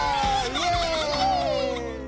イエイ！